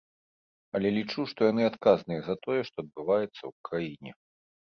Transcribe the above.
Але лічу, што яны адказныя за тое, што адбываецца ў краіне.